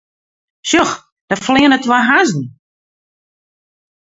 Sjoch, dêr fleane twa hazzen.